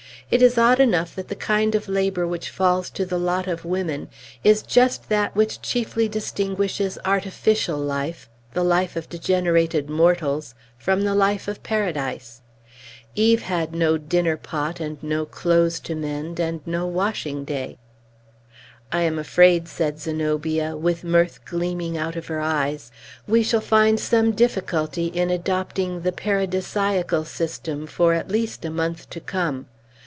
It is odd enough that the kind of labor which falls to the lot of women is just that which chiefly distinguishes artificial life the life of degenerated mortals from the life of Paradise. Eve had no dinner pot, and no clothes to mend, and no washing day." "I am afraid," said Zenobia, with mirth gleaming out of her eyes, "we shall find some difficulty in adopting the paradisiacal system for at least a month to come.